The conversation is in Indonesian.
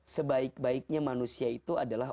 sebaik baiknya manusia itu adalah